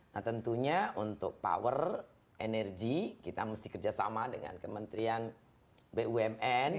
nah tentunya untuk power energy kita mesti kerjasama dengan kementerian bumn